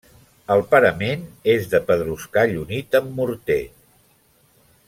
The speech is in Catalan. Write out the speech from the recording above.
El parament és de pedruscall unit amb morter.